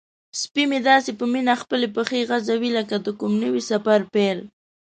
سپی مې داسې په مینه خپلې پښې غځوي لکه د کوم نوي سفر پیل.